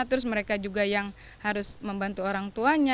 terus mereka juga yang harus membantu orang tuanya